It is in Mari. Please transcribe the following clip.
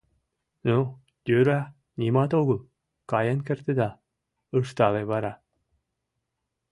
— Ну, йӧра, нимат огыл, каен кертыда, — ыштале вара.